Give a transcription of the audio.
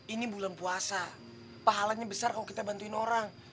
ini bulan puasa pahalanya besar kalau kita bantuin orang